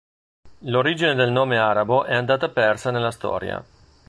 L'origine del nome arabo è andata persa nella storia.